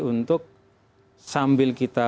untuk sambil kita